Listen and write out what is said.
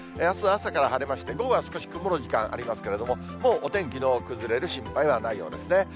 あすは朝から晴れまして、午後は少し曇る時間ありますけれども、もうお天気の崩れる心配はないようですね。